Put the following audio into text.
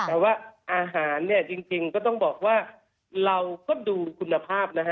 แล้วว่าอาหารจริงก็ต้องบอกว่าเราก็ดูคุณภาพ